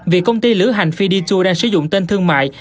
vì công ty lữ hành fiditur đang sử dụng tên thương mại